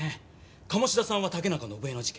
鴨志田さんは竹中伸枝の事件